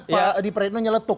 pak adi prajitno nyeletuk